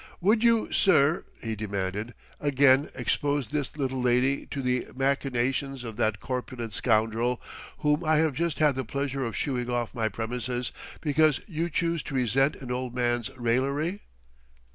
"Would you, sir," he demanded, "again expose this little lady to the machinations of that corpulent scoundrel, whom I have just had the pleasure of shooing off my premises, because you choose to resent an old man's raillery?"